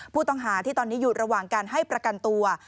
ผู้ต้องหาที่ตอนนี้อยู่ระหว่างการให้ประกันตัว